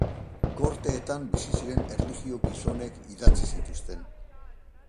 Gorteetan bizi ziren erlijio gizonek idatzi zituzten.